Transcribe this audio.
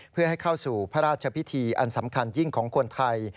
เพื่อให้เข้าสู่พระราชพิธีอันสำคัญยิ่งของคนไทย